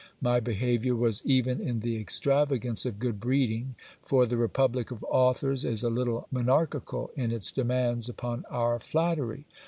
My behaviour was even in the extravagance of good breeding ; for the republic of authors is a little monarchical in its demands upon our flattery.